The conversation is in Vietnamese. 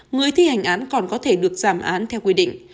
người thi hành án còn có thể được giảm án theo quy định